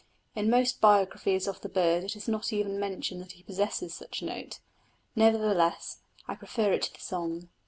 In most biographies of the bird it is not even mentioned that he possesses such a note. Nevertheless I prefer it to the song.